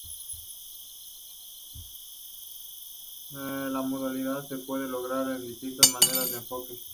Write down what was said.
La modularidad se puede lograr de distintas maneras o enfoques.